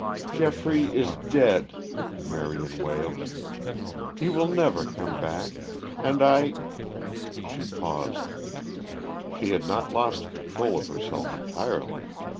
"Geoffrey is dead," Marion wailed. "He will never come back. And I " She paused; she had not lost control of herself entirely.